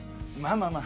まあまあ